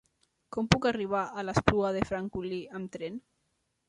Com puc arribar a l'Espluga de Francolí amb tren?